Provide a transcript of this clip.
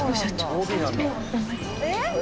えっ！